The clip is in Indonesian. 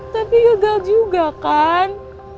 tapi gagal juga kan